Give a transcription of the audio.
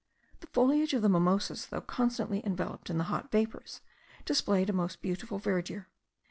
The foliage of the mimosas, though constantly enveloped in the hot vapours, displayed the most beautiful verdure.